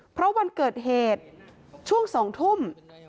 เพราะวันเกิดเหตุช่วง๒ทุ่ม